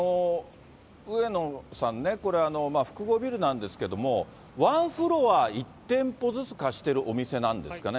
上野さん、これ、複合ビルなんですけども、ワンフロア１店舗ずつ貸してるお店なんですかね？